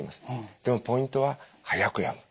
でもポイントは速く読む。